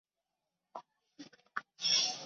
车站下方有地下道。